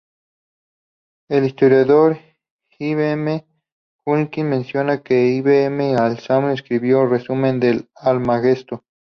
El historiador Ibn Jaldún menciona que Ibn al-Samh escribió un resumen del "Almagesto".